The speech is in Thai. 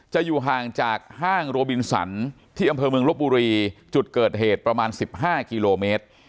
อยู่ห่างจากห้างโรบินสันที่อำเภอเมืองลบบุรีจุดเกิดเหตุประมาณ๑๕กิโลเมตร